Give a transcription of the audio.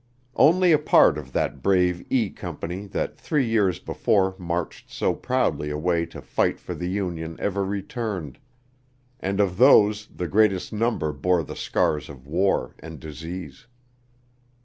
Only a part of that brave E Company that three years before marched so proudly away to fight for the Union ever returned, and of those the greater number bore the scars of war and disease.